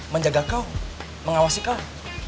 menjaga kau mengawasi kau